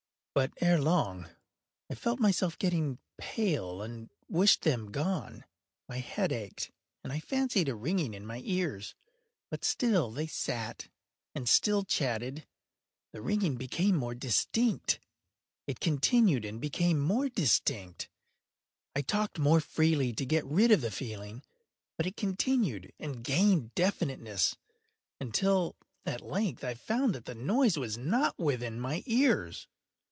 But, ere long, I felt myself getting pale and wished them gone. My head ached, and I fancied a ringing in my ears: but still they sat and still chatted. The ringing became more distinct:—it continued and became more distinct: I talked more freely to get rid of the feeling: but it continued and gained definiteness—until, at length, I found that the noise was not within my ears.